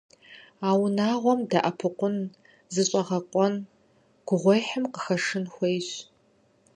А унагъуэм дэӀэпыкъун, зыщӀэгъэкъуэн, гугъуехьым къыхэшын хуейщ.